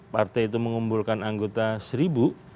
partai itu mengumpulkan anggota seribu